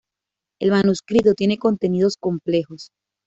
El manuscrito tiene contenidos complejos.